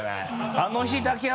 あの日だけは？